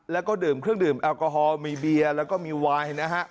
แล้วก็ดื่มเครื่องดื่มแอลกอฮอลมีเบียร์แล้วก็มีวายนะฮะ